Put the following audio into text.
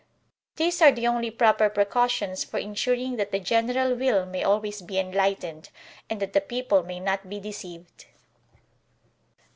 These are the only proper precautions for insuring that the general will may always be enlightened, and that the people may not be deceived.